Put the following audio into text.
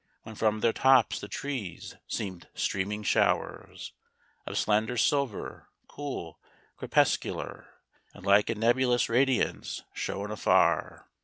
When from their tops the trees seemed streaming showers Of slender silver, cool, crepuscular, And like a nebulous radiance shone afar.